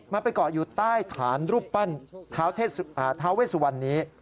มันไปเกาะอยู่ใต้ฐานรูปปั้นท้าเวสวันนี้